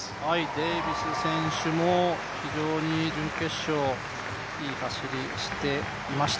デービス選手も非常に準決勝いい走りしていました。